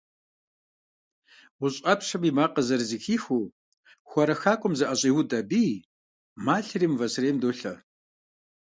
ГъущӀ Ӏэпщэм и макъыр зэрызэхихыу, хуарэ хакӀуэм зыӀэщӀеуд аби, малъэри мывэ сэрейм долъэ.